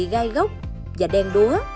gai gốc và đen đúa